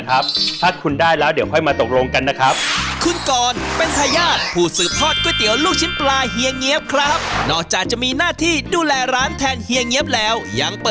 กับคุณพ่ออีกด้วยแหละครับ